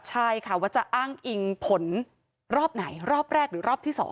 ใช่ค่ะว่าจะอ้างอิงผลรอบไหนรอบแรกหรือรอบที่๒